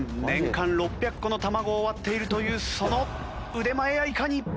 年間６００個の卵を割っているというその腕前やいかに？